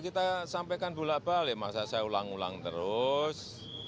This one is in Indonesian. kita sampaikan bulat balik masa saya ulang ulang terus